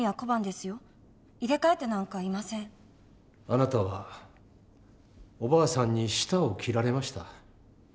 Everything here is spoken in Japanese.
あなたはおばあさんに舌を切られました。